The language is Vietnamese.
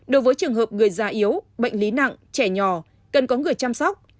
đối với trường hợp người già yếu bệnh lý nặng trẻ nhỏ cần có người chăm sóc